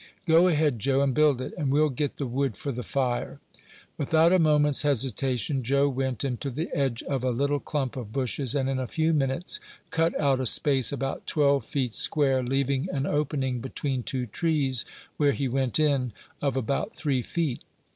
"Go ahead, Joe, and build it, and we'll get the wood for the fire." Without a moment's hesitation, Joe went into the edge of a little clump of bushes, and in a few minutes cut out a space about twelve feet square, leaving an opening between two trees, where he went in, of about three feet.